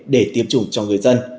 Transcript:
để tiêm chủng cho người dân